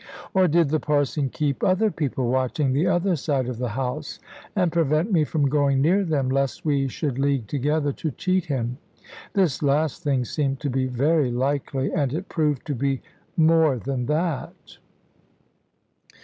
Or did the Parson keep other people watching the other side of the house, and prevent me from going near them, lest we should league together to cheat him? This last thing seemed to be very likely, and it proved to be more than that.